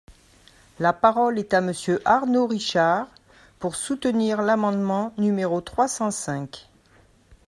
La parole est à Monsieur Arnaud Richard, pour soutenir l’amendement numéro trois cent cinq.